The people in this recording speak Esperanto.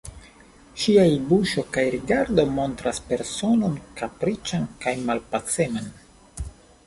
Ŝiaj buŝo kaj rigardo montras personon kaprican kaj malpaceman.